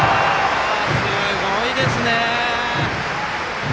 すごいですね！